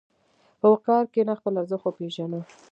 په وقار کښېنه، خپل ارزښت وپېژنه.